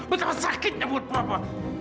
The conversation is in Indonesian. betapa sakitnya buat papa